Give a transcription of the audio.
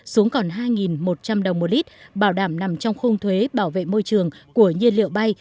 xuống còn hai một trăm linh đồng một lít bảo đảm nằm trong khung thuế bảo vệ môi trường của nhiên liệu bay